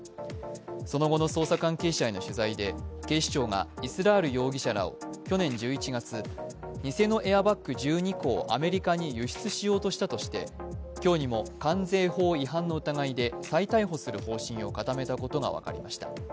その後の捜査関係者への取材で警視庁がイスラール容疑者らを去年１１月、偽のエアバッグ１２個をアメリカに輸出しようとしたとして今日にも関税法違反の疑いで再逮捕する方針を固めたことが分かりました。